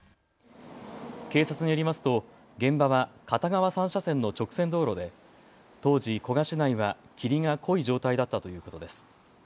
警察によりますと現場は片側３車線の直線道路で当時、古河市内は霧が濃い状態だったということです。